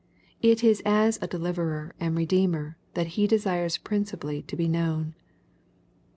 It is as a deliverer and Bedeemer that He desires principally to be known.